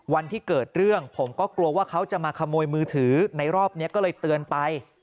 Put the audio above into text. วันที่เกิดเรื่องผมก็กลัวว่าเขาจะมาขโมยมือถือในรอบนี้ก็เลยเตือนไป